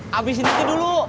habisin dikit dulu